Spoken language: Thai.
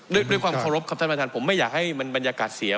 ด้วยความเคารพครับท่านประธานผมไม่อยากให้มันบรรยากาศเสีย